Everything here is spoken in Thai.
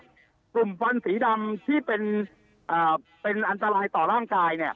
กลุ่มควันสีดำที่เป็นอันตรายต่อร่างกาย